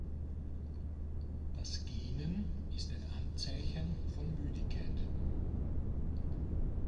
Das Gähnen ist ein Anzeichen von Müdigkeit.